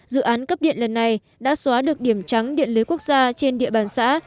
dự án cấp điện lần này đã xóa được điểm trắng điện lưới quốc gia trên địa bàn xã